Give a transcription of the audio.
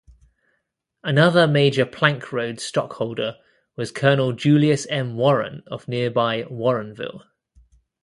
Another major plank road stockholder was Colonel Julius M. Warren, of nearby Warrenville.